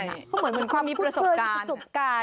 เหมือนความพูดเคลื่อนที่ประสบการณ์